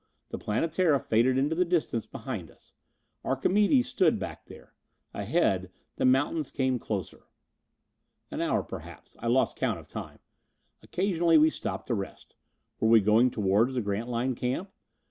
The Planetara faded into the distance behind us. Archimedes stood back there. Ahead, the mountains came closer. An hour perhaps. I lost count of time. Occasionally we stopped to rest. Were we going toward the Grantline camp?